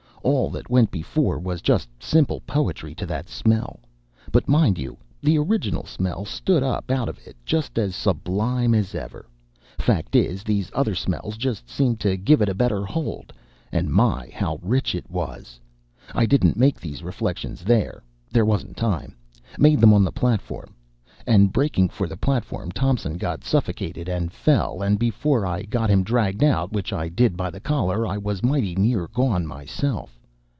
All that went before was just simply poetry to that smell, but mind you, the original smell stood up out of it just as sublime as ever, fact is, these other smells just seemed to give it a better hold; and my, how rich it was! I didn't make these reflections there there wasn't time made them on the platform. And breaking for the platform, Thompson got suffocated and fell; and before I got him dragged out, which I did by the collar, I was mighty near gone myself.